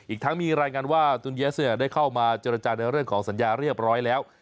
อีกทั้งมีรายงานว่าตุลเยีสได้เข้ามาเจรจาในเรื่องของสัญญาเรียบร้อยแล้ว